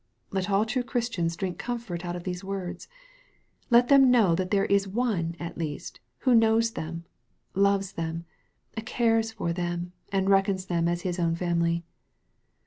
Let all true Christians drink comfort out of these words. Let them know that there is One at least, who knows them, loves them, cares for them, and reckons them as His own family.